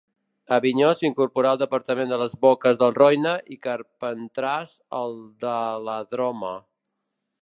Avinyó s'incorporà al departament de les Boques del Roine i Carpentràs al de la Droma.